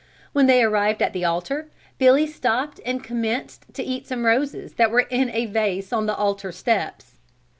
When they arrived at the altar, Billy stopped and commenced to eat some roses that were in a vase on the altar steps.